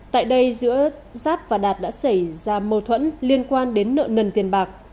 tại đây giữa giáp và đạt đã xảy ra mâu thuẫn liên quan đến nợ nần tiền bạc